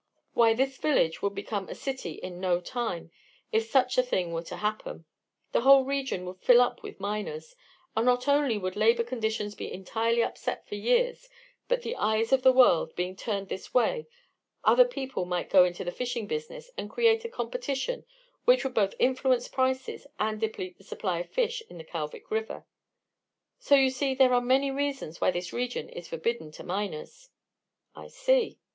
Why, this village would become a city in no time if such a thing were to happen; the whole region would fill up with miners, and not only would labor conditions be entirely upset for years, but the eyes of the world, being turned this way, other people might go into the fishing business and create a competition which would both influence prices, and deplete the supply of fish in the Kalvik River. So you see there are many reasons why this region is forbidden to miners." "I see."